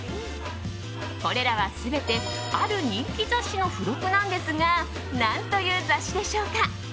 これらは全てある人気雑誌の付録なんですが何という雑誌でしょうか？